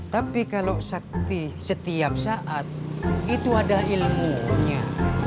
tapi kalau sakti setiap saat itu ada ilmunya